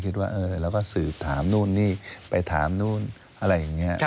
คิดว่าเออเราก็สืบถามนู่นนี่ไปถามนู่นอะไรอย่างนี้